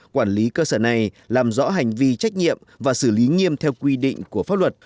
quản lý cơ sở này làm rõ hành vi trách nhiệm và xử lý nghiêm theo quy định của pháp luật